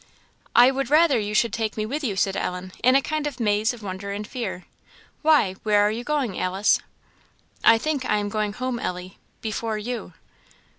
"I would rather you should take me with you," said Ellen, in a kind of maze of wonder and fear; "why, where are you going, Alice?" "I think I am going home, Ellie before you."